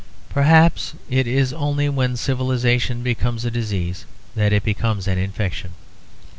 Perhaps it is only when civilisation becomes a disease that it becomes an infection.